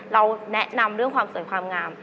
เราแนะนำเรื่องความสวยความงาม